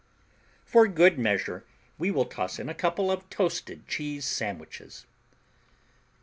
For good measure we will toss in a couple of toasted cheese sandwiches.